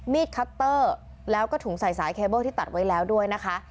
คัตเตอร์แล้วก็ถุงใส่สายเคเบิ้ลที่ตัดไว้แล้วด้วยนะคะ